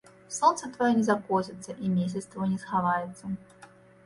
Сонца тваё не закоціцца, і месяц твой не схаваецца.